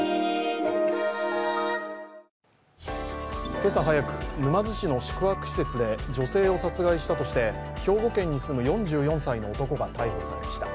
今朝早く、沼津市の宿泊施設で女性を殺害したとして兵庫県に住む４４歳の男が逮捕されました。